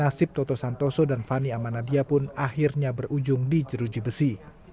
nasib toto santoso dan fani amanadia pun akhirnya berujung di jeruji besi